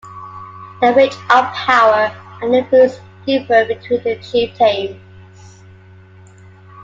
The range of power and influence differed between the chieftains.